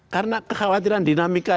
karena kekhawatiran dinamika